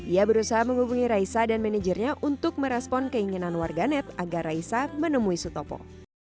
ia berusaha menghubungi raisa dan manajernya untuk merespon keinginan warganet agar raisa menemui sutopo